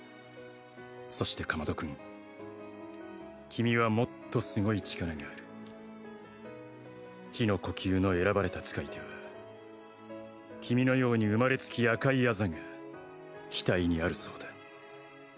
「そして竈門君君はもっとすごい力がある」「日の呼吸の選ばれた使い手は君のように生まれつき赤いあざが額にあるそうだ」